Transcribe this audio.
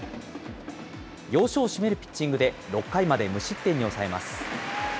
要所を締めるピッチングで６回まで無失点に抑えます。